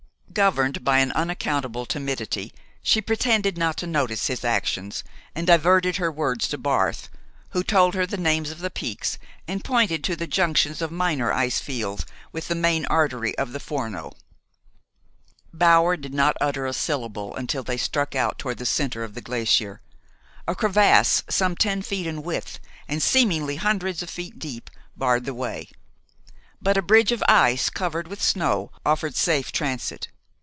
Governed by an unaccountable timidity, she pretended not to notice his actions, and diverted her words to Barth, who told her the names of the peaks and pointed to the junctions of minor ice fields with the main artery of the Forno. Bower did not utter a syllable until they struck out toward the center of the glacier. A crevasse some ten feet in width and seemingly hundreds of feet deep, barred the way; but a bridge of ice, covered with snow, offered safe transit.